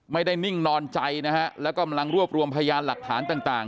นิ่งนอนใจนะฮะแล้วกำลังรวบรวมพยานหลักฐานต่าง